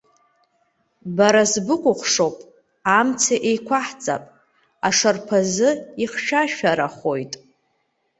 Бара сбыкәыхшоуп, амца еиқәаҳҵап, ашарԥаз ихьшәашәарахоит.